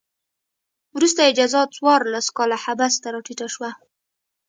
وروسته یې جزا څوارلس کاله حبس ته راټیټه شوه.